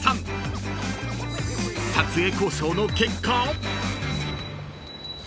［撮影交渉の結果］